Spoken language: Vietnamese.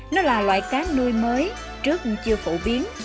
nó là loại cá nuôi mới trước chưa phổ biến